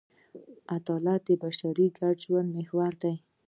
عدالت د بشري ګډ ژوند محور دی.